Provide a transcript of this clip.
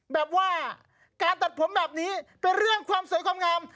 แบบว่าการตัดผมแบบนี้เป็นเรื่องความสวยความงาม